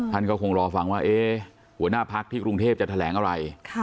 ท่านก็คงรอฟังว่าหัวหน้าพักที่กรุงเทพจะแถลงอะไร